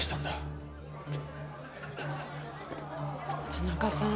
田中さん